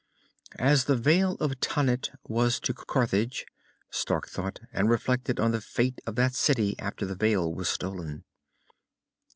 As the Veil of Tanit was to Carthage, Stark thought, and reflected on the fate of that city after the Veil was stolen.